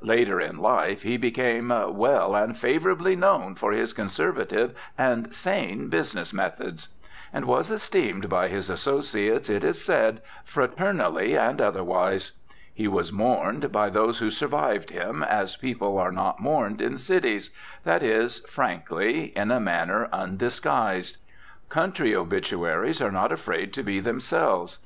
Later in life, be became "well and favourably known for his conservative and sane business methods," and was esteemed by his associates, it is said, "fraternally and otherwise." He was "mourned," by those who "survived" him, as people are not mourned in cities, that is, frankly, in a manner undisguised. Country obituaries are not afraid to be themselves.